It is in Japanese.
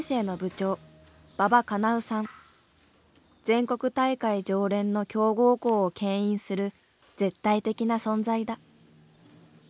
全国大会常連の強豪校をけん引する絶対的な存在だ。